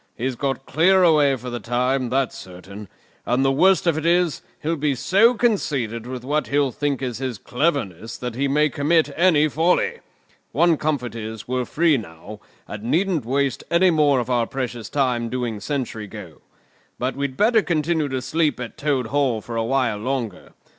He's got clear away for the time, that's certain; and the worst of it is, he'll be so conceited with what he'll think is his cleverness that he may commit any folly. One comfort is, we're free now, and needn't waste any more of our precious time doing sentry go. But we'd better continue to sleep at Toad Hall for a while longer.